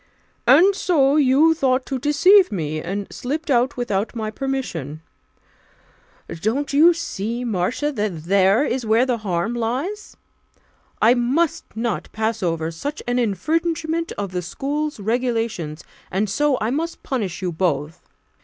"And so you thought to deceive me, and slipped out without my permission. Don't you see, Marcia, that there is where the harm lies? I must not pass over such an infringement of the school regulations, and so I must punish you both.